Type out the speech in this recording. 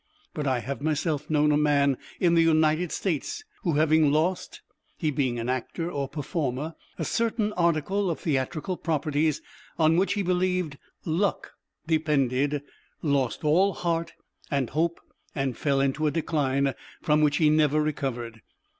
But I have myself known a man in the United States, who, having lost he being an actor or performer a certain article of theatrical properties on which he believed "luck" depended, lost all heart and hope, and fell into a decline, from which he never recovered.